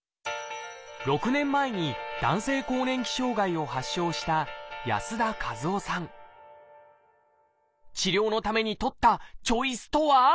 ６年前に男性更年期障害を発症した治療のためにとったチョイスとは？